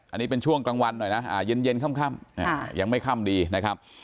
อันนี้เป็นช่วงกลางวันหน่อยนะเย็นค่ำยังไม่ค่ำดีนะครับ